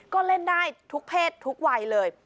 ก็เล่นได้ทุกเพศทุกวัยเลย